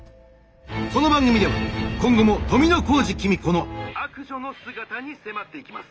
「この番組では今後も富小路公子の悪女の姿に迫っていきます」。